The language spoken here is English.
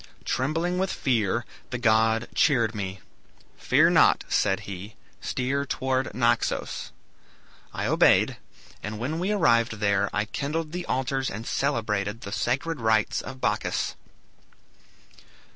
Trembling with fear, the god cheered me. 'Fear not,' said he; 'steer towards Naxos.' I obeyed, and when we arrived there, I kindled the altars and celebrated the sacred rites of Bacchus."